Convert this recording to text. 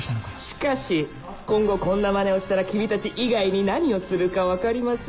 しかし今後こんなマネをしたら君たち以外に何をするか分かりませんよ